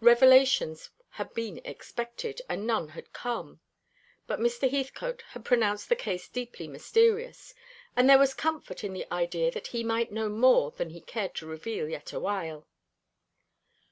Revelations had been expected, and none had come. But Mr. Heathcote had pronounced the case deeply mysterious: and there was comfort in the idea that he might know more than he cared to reveal yet awhile.